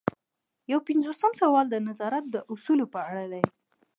یو پنځوسم سوال د نظارت د اصولو په اړه دی.